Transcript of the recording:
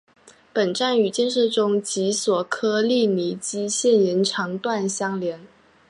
本站与建设中的及索科利尼基线延长段相连。